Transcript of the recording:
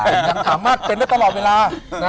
ยังสามารถเป็นได้ตลอดเวลา